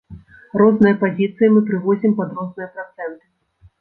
Розныя пазіцыі мы прывозім пад розныя працэнты.